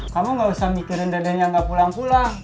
kamu gak usah mikirin dadanya nggak pulang pulang